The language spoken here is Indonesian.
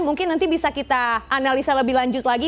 mungkin nanti bisa kita analisa lebih lanjut lagi